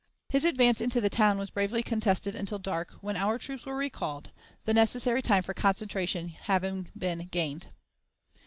His advance into the town was bravely contested until dark, when our troops were recalled, the necessary time for concentration having been gained.